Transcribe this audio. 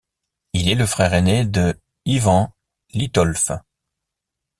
Il est le frère aîné de Yvan Littolff.